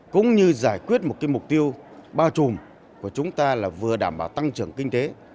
cũng như giải quyết một mục tiêu bao trùm của chúng ta là vừa đảm bảo tăng trưởng kinh tế